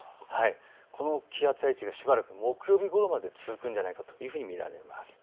この気圧配置が木曜日ごろまで続くんじゃないかと見られます。